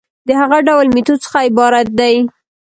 د هغه ډول ميتود څخه عبارت دي